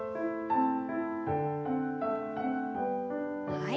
はい。